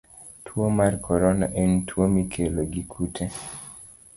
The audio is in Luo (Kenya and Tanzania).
Tuo mar korona en tuwo mikelo gi kute.